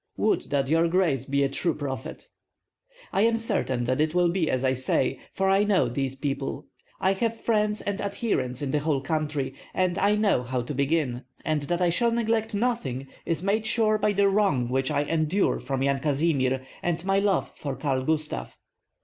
"Would that your grace be a true prophet!" "I am certain that it will be as I say, for I know these people. I have friends and adherents in the whole country, and I know how to begin. And that I shall neglect nothing is made sure by the wrong which I endure from Yan Kazimir, and my love for Karl Gustav.